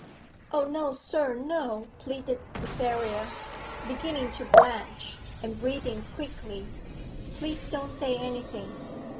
'O no, sir, no,' pleaded Cytherea, beginning to blanch, and breathing quickly. 'Please don't say anything.